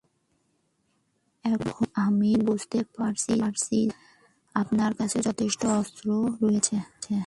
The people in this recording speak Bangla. এখন আমি বুঝতে পারছি যে আপনার কাছে যথেষ্ট অস্ত্র রয়েছে।